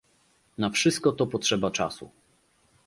Na wszystko to potrzeba czasu